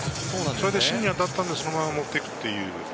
それで芯に当たったので、そのまま持っていった。